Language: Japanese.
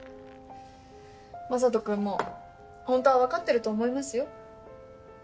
雅人君も本当は分かってると思いますよ。